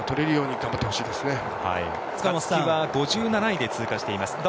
勝木は５７位で通過しています。